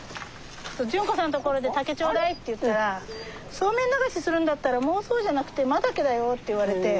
潤子さんのところで「竹頂戴」って言ったら「そうめん流しするんだったら孟宗じゃなくて真竹だよ」って言われて。